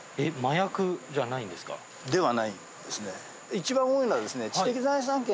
一番多いのはですね。